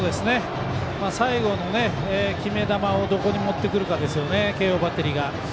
最後の決め球をどこに持ってくるかですね慶応バッテリーが。